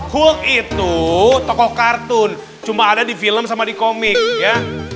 hulk itu tokoh kartun cuma ada di film sama di komik ya